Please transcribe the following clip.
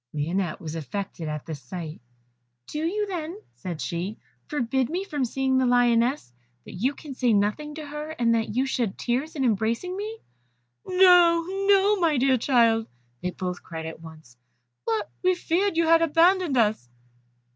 Lionette was affected at this sight. "Do you then," said she, "forbid me from seeing the lioness, that you can say nothing to her, and that you shed tears in embracing me?" "No, no, my dear child," they both cried at once, "but we feared that you had abandoned us."